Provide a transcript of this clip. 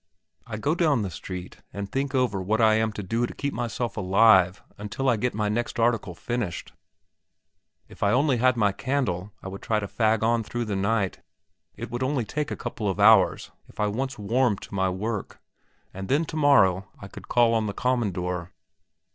I go down the street and think over what I am to do to keep myself alive until I get my next article finished. If I only had a candle I would try to fag on through the night; it would only take a couple of hours if I once warmed to my work, and then tomorrow I could call on the "commandor."